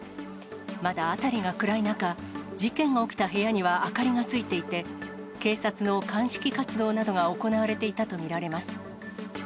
まだ辺りが暗い中、事件が起きた部屋には明かりがついていて、警察の鑑識活動などが行われていたと見られます。